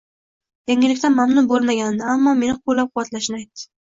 Yangilikdan mamnun bo`lmaganini, ammo meni qo`llab-quvvatlashini aytdi